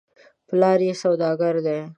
پلار یې سودا ګر دی .